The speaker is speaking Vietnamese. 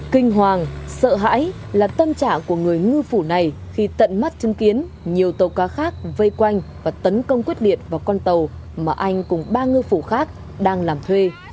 kinh hoàng sợ hãi là tâm trạng của người ngư phủ này khi tận mắt chứng kiến nhiều tàu cá khác vây quanh và tấn công quyết điện vào con tàu mà anh cùng ba ngư phủ khác đang làm thuê